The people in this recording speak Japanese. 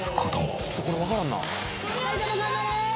ちょっとこれわからんな。